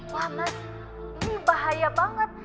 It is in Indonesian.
wah mas ini bahaya banget